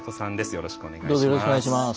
よろしくお願いします。